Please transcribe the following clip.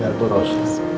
dan aku ros